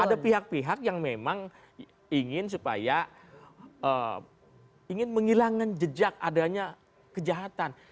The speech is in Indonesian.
ada pihak pihak yang memang ingin supaya ingin menghilangkan jejak adanya kejahatan